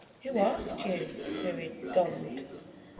"Who asked you?" queried Donald.